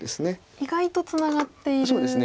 意外とツナがっているんですね。